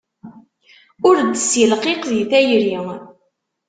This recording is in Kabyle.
Ur d-ssilqiq di tayri.